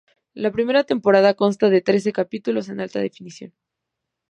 La primera temporada consta de trece capítulos en alta definición.